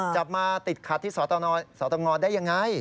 จับมาติดขัดที่สตงได้ยังไง